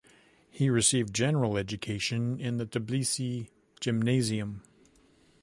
He received general education in the Tbilisi Gymnasium.